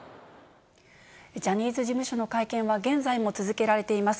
ジャニーズ事務所の会見は現在も続けられています。